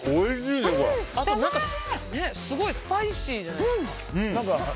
あと、すごいスパイシーじゃないですか。